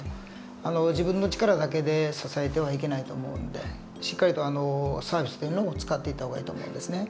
自分の力だけで支えてはいけないと思うんでしっかりとサービスというのも使っていった方がいいと思うんですね。